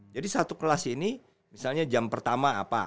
satu kelas ini misalnya jam pertama apa